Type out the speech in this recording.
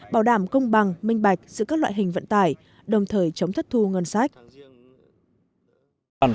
bảo đảm công bằng minh bạch giữa các loại hình vận tải đồng thời chống thất thu ngân sách